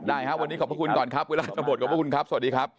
วันนี้ขอบพระคุณก่อนครับวิราชบทรัพย์ขอบพระคุณครับสวัสดีครับ